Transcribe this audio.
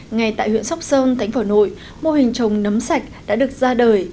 ngay tại huyện sóc sơn thánh phở nội mô hình trồng nấm sạch đã được ra đời